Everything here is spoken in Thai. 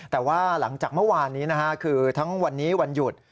แต่ว่าหลังจากเมื่อวานนี้คือทั้งวันนี้วันหยุด